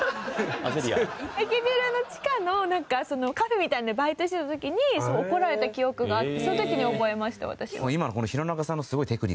駅ビルの地下のなんかそのカフェみたいなのでバイトしてた時に怒られた記憶があってその時に覚えました